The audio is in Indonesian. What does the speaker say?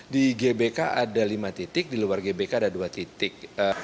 di gbk ada lima titik di luar gbk ada dua titik